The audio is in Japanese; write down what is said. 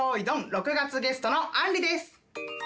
６がつゲストのあんりです。